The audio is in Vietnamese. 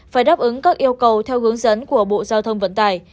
phải đáp ứng các yêu cầu theo hướng dẫn của bộ giao thông vận tải